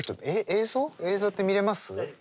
映像って見れます？